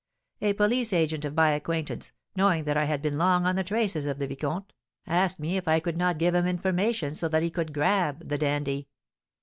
A police agent of my acquaintance, knowing that I had been long on the traces of the vicomte, asked me if I could not give him information so that he could 'grab' the dandy.